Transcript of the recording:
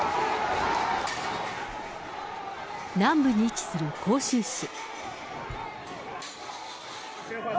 南部に位置する広州市。